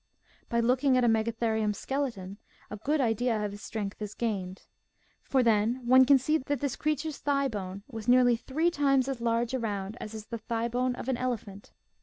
By looking at a Megatherium's skeleton a good idea of his strength is gained. For then one can see that this crea ture's thigh bone was nearly three times as large around as is the thigh bone of an elephant.